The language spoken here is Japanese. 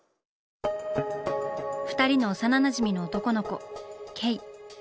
二人の幼なじみの男の子慧。